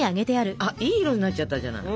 あっいい色になっちゃったじゃない。